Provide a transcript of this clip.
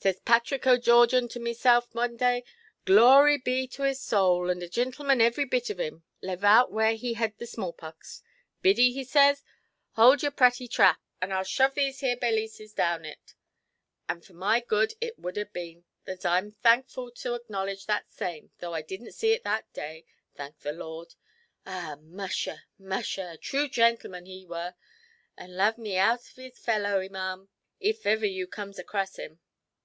Says Patrick OʼGeoghegan to meself one day—glory be to his sowl, and a gintleman every bit of him, lave out where he had the small–pux—ʼBiddy', he says, 'hould your pratie–trap, or Iʼll shove these here bellises down it'. And for my good it would have been, as I am thankful to acknowledge that same, though I didnʼt see it that day, thank the Lord. Ah musha, musha, a true gintleman he were, and lave me out his fellow, maʼam, if iver you comes acrass him".